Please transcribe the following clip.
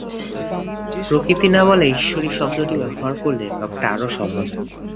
প্রকৃতি না বলে ঈশ্বরী শব্দটি ব্যবহার করলে ব্যাপারটা আরো সহজ হয়।